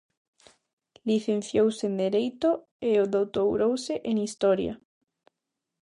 Licenciouse en Dereito e doutorouse en Historia.